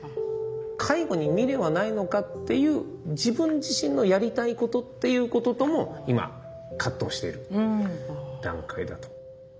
介護に未練はないのかっていう自分自身のやりたいことっていうこととも今葛藤している段階だと。